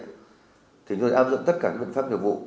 thì chúng tôi áp dụng tất cả các biện pháp nghiệp vụ